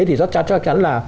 thì chắc chắn là